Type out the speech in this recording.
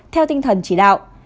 theo tinh thần chỉ đạo